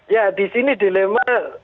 ya disini dilema